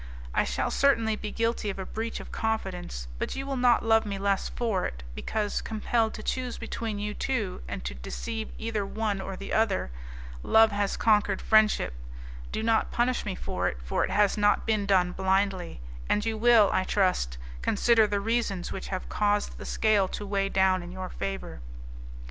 I shall certainly be guilty of a breach of confidence, but you will not love me less for it, because, compelled to choose between you two, and to deceive either one or the other, love has conquered friendship; do not punish me for it, for it has not been done blindly, and you will, I trust, consider the reasons which have caused the scale to weigh down in your favour.